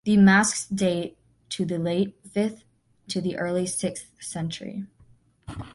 The masks date to the late fifth to the early sixth century.